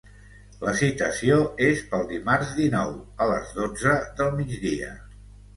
La citació és pel dimarts, dinou, a les dotze del migdia.